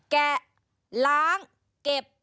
แกะล้างเก็บ